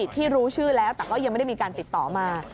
ที่รู้ชื่อแล้วแต่ก็ยังไม่ได้มีการติดต่อมา